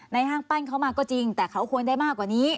ห้างปั้นเขามาก็จริงแต่เขาควรได้มากกว่านี้